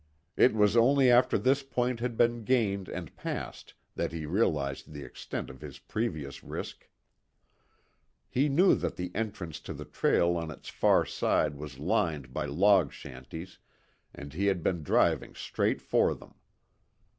It was only after this point had been gained and passed that he realized the extent of his previous risk. He knew that the entrance to the trail on its far side was lined by log shanties, and he had been driving straight for them.